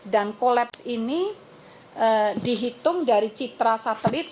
dan kolaps ini dihitung dari citra satelit